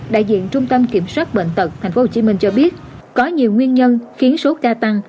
đại diện trung tâm kiểm soát bệnh tật tp hcm cho biết có nhiều nguyên nhân khiến số ca tăng